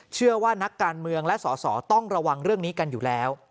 เชื่อว่านักการเมืองและสอสอต้องระวังเรื่องนี้กันอยู่แล้ว